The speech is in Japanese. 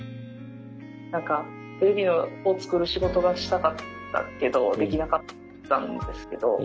テレビをつくる仕事がしたかったけどできなかったんですけど